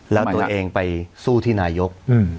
แล้วตัวเองไปสู้ที่นายก